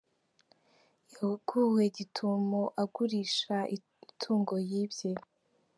Yaguwe gitumo agurisha itungo yibye